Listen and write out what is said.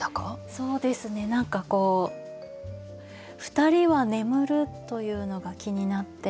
そうですね何かこう「ふたりは眠る」というのが気になって。